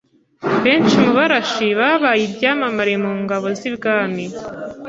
Benshi mu Barashi babaye ibyamamare mu ngabo z’i bwami